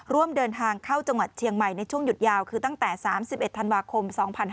ร่วมเดินทางเข้าจังหวัดเชียงใหม่ในช่วงหยุดยาวคือตั้งแต่๓๑ธันวาคม๒๕๕๙